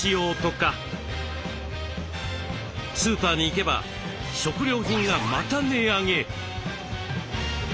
スーパーに行けば食料品がまた値上げ。